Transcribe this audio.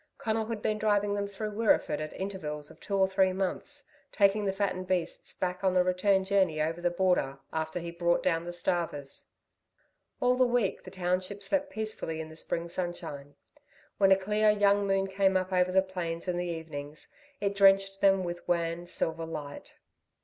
Conal had been driving them through Wirreeford at intervals of two or three months, taking the fattened beasts back on the return journey over the border after he brought down the starvers. All the week the township slept peacefully in the spring sunshine. When a clear, young moon came up over the plains in the evenings, it drenched them with wan, silver light.